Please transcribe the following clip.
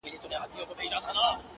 چي لا به نوري څه کانې کیږي؛